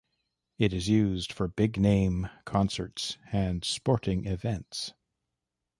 It is used for big name concerts and sporting events.